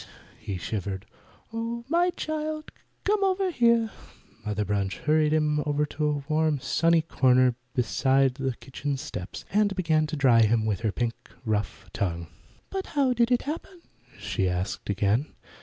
he shivered. "Oh, my child, come over here!" Mother Bunch hurried him over to a warm, sunny corner beside the kitchen steps, and began to dry him with her pink, rough tongue. "But how did it happen?" she asked again.